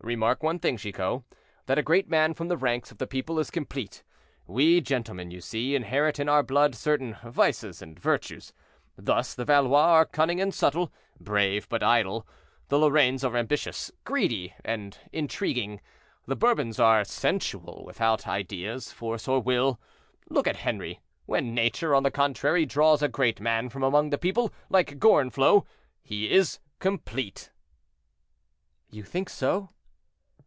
"Remark one thing, Chicot, that a great man from the ranks of the people is complete; we gentlemen, you see, inherit in our blood certain vices and virtues. Thus, the Valois are cunning and subtle, brave, but idle; the Lorraines are ambitious, greedy, and intriguing; the Bourbons are sensual, without ideas, force, or will. Look at Henri: when Nature, on the contrary, draws a great man from among the people, like Gorenflot, he is complete." "You think so?"